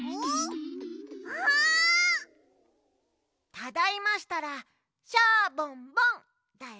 ただいましたら「シャボンボン」だよ。